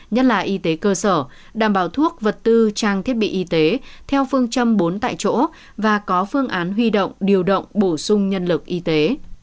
nhất là y tế cơ sở đảm bảo thuốc vật tư trang thiết bị y tế theo phương châm bốn tại chỗ và có phương án huy động điều động bổ sung nhân lực y tế